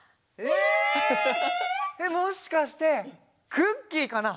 えっもしかしてクッキーかな？